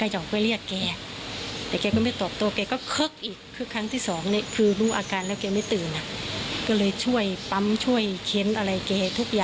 ให้เขาฟื้นหนักแล้วเกิดครั้งที่สามแกก็ไปเลย